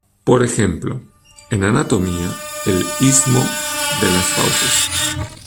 Por ejemplo: en anatomía, el istmo de las fauces.